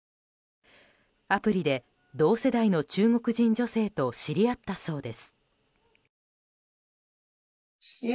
アプリで同世代の中国人女性と知り合ったそうです。